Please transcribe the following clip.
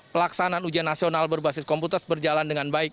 pelaksanaan ujian nasional berbasis komputer berjalan dengan baik